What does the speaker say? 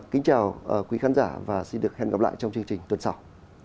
kính chào quý khán giả và xin được hẹn gặp lại trong chương trình tuần sau